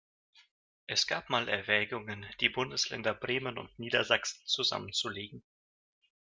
Es gab mal Erwägungen, die Bundesländer Bremen und Niedersachsen zusammenzulegen.